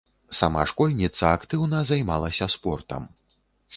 Сама школьніца актыўна займалася спортам.